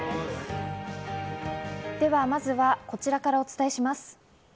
まずはこちらからお伝えします。